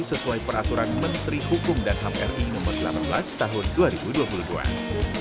sesuai peraturan menteri hukum dan ham ri no delapan belas tahun dua ribu dua puluh dua